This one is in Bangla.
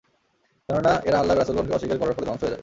কেননা এরা আল্লাহর রাসূলগণকে অস্বীকার করার ফলে ধ্বংস হয়ে যায়।